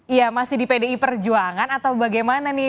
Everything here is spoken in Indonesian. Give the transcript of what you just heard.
iya masih di pdi perjuangan atau bagaimana nih